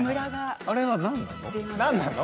あれは何なの。